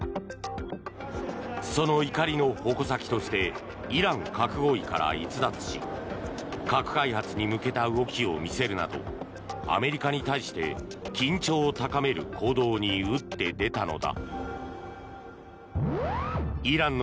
その怒りの矛先としてイラン核合意から逸脱し核開発に向けた動きを見せるなどアメリカに対して緊張を高める行動に打って出たのだ。